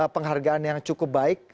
penghargaan yang cukup baik